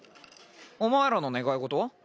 お前らの願い事は？